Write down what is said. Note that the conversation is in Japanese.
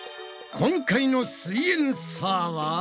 今回の「すイエんサー」は？